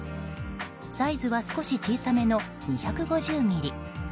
サイズは少し小さめの２５０ミリ。